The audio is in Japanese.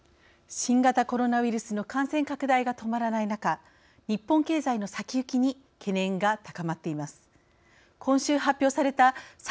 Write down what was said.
新型コロナウイルスの感染拡大が止まらない中日本経済の先行きに懸念が高まっています。